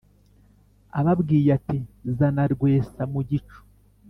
ababwiye ati : zana rwesa-mu-gicu.